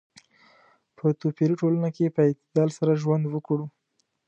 په توپیري ټولنه کې په اعتدال سره ژوند وکړو.